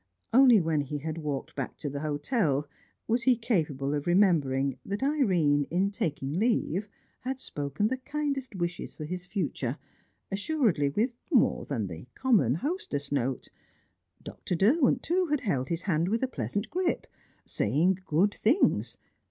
Only when he had walked back to the hotel was he capable of remembering that Irene, in taking leave, had spoken the kindest wishes for his future, assuredly with more than the common hostess note. Dr. Derwent, too, had held his hand with a pleasant grip, saying good things.